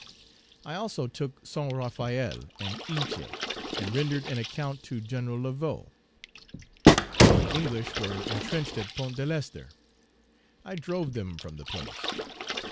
Page 324 I also took Saint Raphaël and Hinche, and rendered an account to Gen. Laveaux. The English were intrenched at Pont de l'Ester; I drove them from the place.